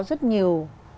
rất nhiều người